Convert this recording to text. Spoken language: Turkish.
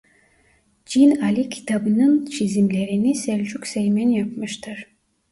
Cin Ali kitabının çizimlerini Selçuk Seymen yapmıştır.